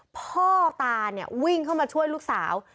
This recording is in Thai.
พ่อตาเนี่ยวิ่งเข้ามาช่วยลูกสาว